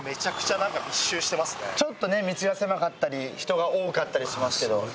ちょっとね道が狭かったり人が多かったりしますけど。